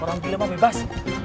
orang pilih mah bebas